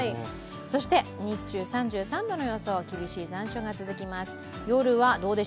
そして日中３３度の予想、厳しい残暑が続きます。